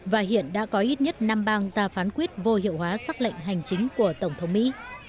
và hiện đã có ít nhất năm bang ra phán quyết vô hiệu hóa xác lệnh hành chính của tổng thống mỹ